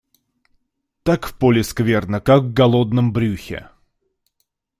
Так в поле скверно, как в голодном брюхе.